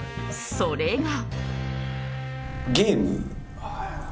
それが。